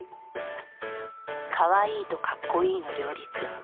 かわいいとかっこいいの両立。